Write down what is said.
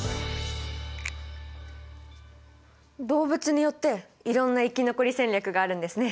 動物によっていろんな生き残り戦略があるんですね。